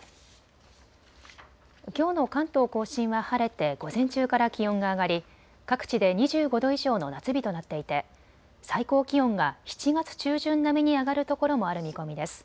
きょうの関東甲信は晴れて午前中から気温が上がり各地で２５度以上の夏日となっていて最高気温が７月中旬並みに上がるところもある見込みです。